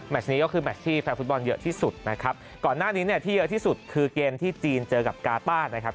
นี้ก็คือแมชที่แฟนฟุตบอลเยอะที่สุดนะครับก่อนหน้านี้เนี่ยที่เยอะที่สุดคือเกมที่จีนเจอกับกาต้านะครับ